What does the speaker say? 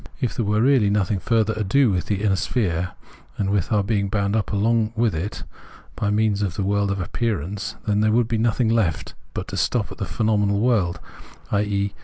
If there were really nothing further ado with the inner sphere and with our being bound up along with it by means of the world of appearance, then there would be nothing left but to stop at the phenomenal world, i.e.